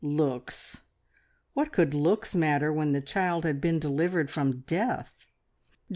Looks! What could looks matter, when the child had been delivered from death?